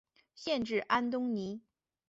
县治安东尼。